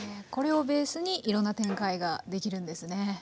これをベースにいろんな展開ができるんですね。